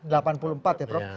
delapan puluh empat ya prof